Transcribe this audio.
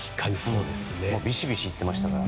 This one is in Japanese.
ビシビシいってましたから。